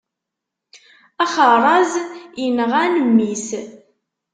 Axeṛṛaz inɣan mmi-s.